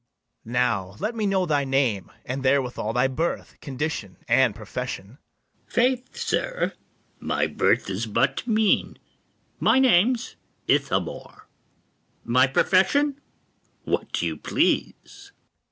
Now let me know thy name, and therewithal Thy birth, condition, and profession. ITHAMORE. Faith, sir, my birth is but mean; my name's Ithamore; my profession what you please.